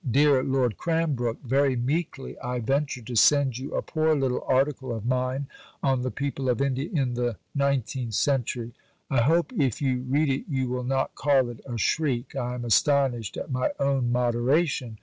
DEAR LORD CRANBROOK Very meekly I venture to send you a poor little article of mine on the People of India in the Nineteenth Century. I hope if you read it you will not call it a shriek (I am astonished at my own moderation).